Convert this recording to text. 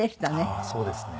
あっそうですね。